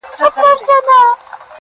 اوس ژاړي، اوس کتاب ژاړي، غزل ژاړي,